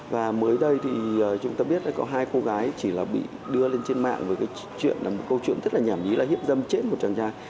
và mới đây thì chúng ta biết là có hai cô gái chỉ là bị đưa lên trên mạng với cái chuyện là một câu chuyện rất là nhảm nhí là hiếp dâm chết một chàng trai